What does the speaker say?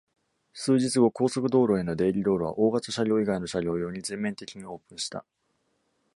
数日後、高速道路への出入道路は大型車両以外の車両用に全面的にオープンした。